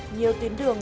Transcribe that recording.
nhiều tuyến đường